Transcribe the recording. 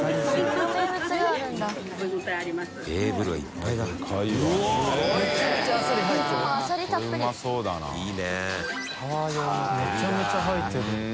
許）めちゃめちゃ入ってる。